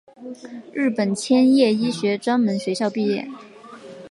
日本千叶医学专门学校毕业。